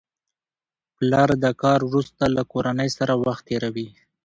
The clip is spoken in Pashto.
پلر د کار وروسته له کورنۍ سره وخت تېروي